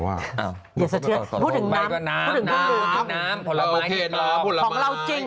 เดี๋ยวสังเทียบพูดถึงน้ำพูดถึงผลไม้พูดถึงผลไม้ที่ปลอมของเราจริง